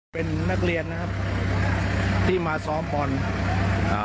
เป็นนักเรียนที่มาซ้อมปอนด์